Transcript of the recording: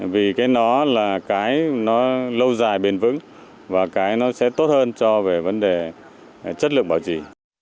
vì cái nó là cái nó lâu dài bền vững và cái nó sẽ tốt hơn cho về vấn đề chất lượng bảo trì